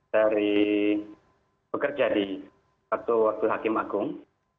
dari bekerja di satu waktu hakim agung